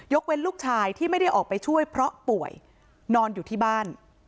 เว้นลูกชายที่ไม่ได้ออกไปช่วยเพราะป่วยนอนอยู่ที่บ้าน